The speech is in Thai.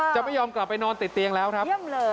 จะไม่ยอมกลับไปนอนติดเตียงแล้วครับ